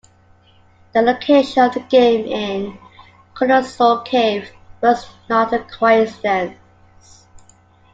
The location of the game in "Colossal Cave" was not a coincidence.